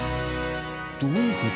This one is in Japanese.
どういう事？